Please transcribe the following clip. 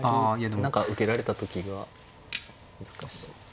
何か受けられた時が難しい。